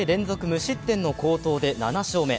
無失点の好投で７勝目。